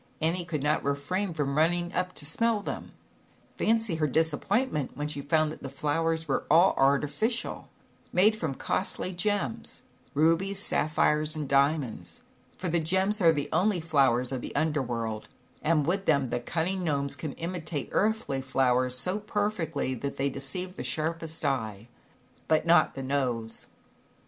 Annie could not refrain from running up to smell them. Fancy her disappointment, when she found that these flowers were all arti ficial, made from costly gems, rubies, sapphires and diamonds for the gems are the only flowers of the Under World and with them the cunning Gnomes can imitate earthly flowers so perfectly, that they deceive the sharpest eye but not the nose.